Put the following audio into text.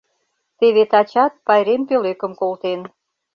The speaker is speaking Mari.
Теве тачат пайрем пӧлекым колтен.